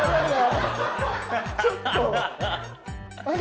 ちょっと！